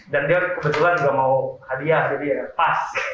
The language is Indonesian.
dan dia kebetulan juga mau hadiah jadi ya pas